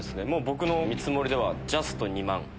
僕の見積もりではジャスト２万。